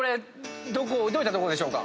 どういったところでしょうか？